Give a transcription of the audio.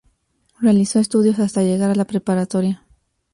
Realizó estudios hasta llegar a la preparatoria.